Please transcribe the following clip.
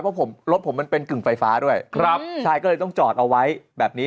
เพราะผมรถผมมันเป็นกึ่งไฟฟ้าด้วยครับชายก็เลยต้องจอดเอาไว้แบบนี้